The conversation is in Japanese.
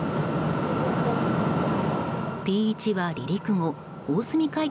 Ｐ１は離陸後大隅海峡